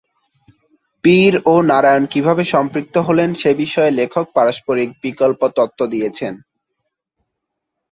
পীর ও নারায়ণ কিভাবে সম্পৃক্ত হলেন সে বিষয়ে লেখক পারস্পরিক বিকল্প তত্ত্ব দিয়েছেন।